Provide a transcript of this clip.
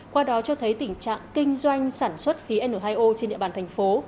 qua đó cho thấy tình trạng kinh doanh sản xuất khí n hai o trên địa bàn thành phố